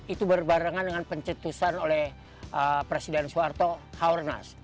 seribu sembilan ratus delapan puluh tiga itu berbarengan dengan pencetusan oleh presiden soeharto haornas